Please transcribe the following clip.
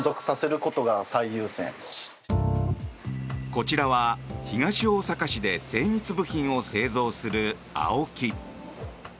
こちらは、東大阪市で精密部品を製造するアオキ。